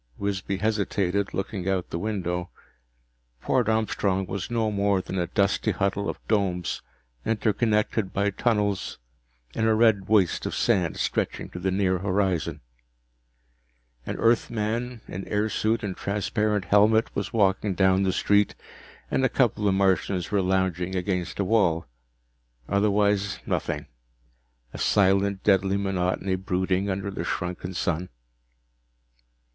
Wisby hesitated, looking out the window. Port Armstrong was no more than a dusty huddle of domes, interconnected by tunnels, in a red waste of sand stretching to the near horizon. An Earthman in airsuit and transparent helmet was walking down the street and a couple of Martians were lounging against a wall. Otherwise nothing a silent, deadly monotony brooding under the shrunken sun.